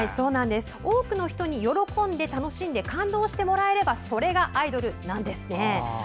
多くの人に喜んで楽しんで感動してもらえればそれがアイドルなんですね。